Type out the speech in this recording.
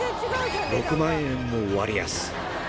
６万円も割安。